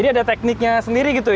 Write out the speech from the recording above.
jadi ada tekniknya sendiri gitu ya